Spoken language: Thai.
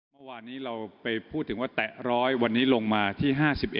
เมื่อวานนี้เราไปพูดถึงว่าแตะ๑๐๐วันนี้ลงมาที่๕๑